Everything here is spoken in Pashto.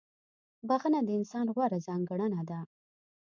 • بخښنه د انسان غوره ځانګړنه ده.